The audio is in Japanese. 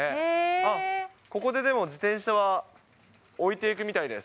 あっ、ここででも、自転車は置いていくみたいです。